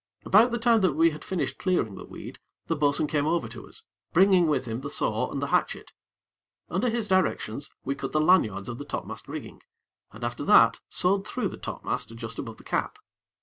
About the time that we had finished clearing the weed, the bo'sun came over to us, bringing with him the saw and the hatchet. Under his directions, we cut the lanyards of the topmast rigging, and after that sawed through the topmast just above the cap.